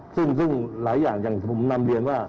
ซึ่งหลายอย่างอย่างที่ผมนำเรียนว่า